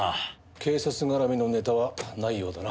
警察絡みのネタはないようだな。